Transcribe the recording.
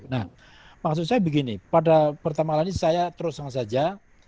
nah maksud saya begini pada pertama kali saya terus terang saja